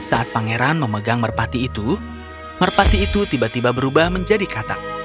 saat pangeran memegang merpati itu merpati itu tiba tiba berubah menjadi katak